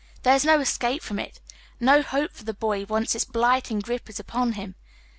There is no escape from it ; no hope for the boy, once its blighting grip is upon Iiini.